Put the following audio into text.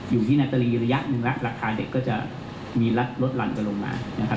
อยู่ที่นัตรีระยะหนึ่งรักราคาเด็กก็จะมีลดลั่นกันลงมา